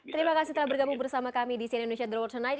terima kasih telah bergabung bersama kami di cnn indonesia the world tonight